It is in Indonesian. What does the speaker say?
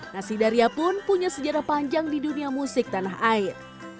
nasidaria pun punya sejarah panjang di dunia musik tanah air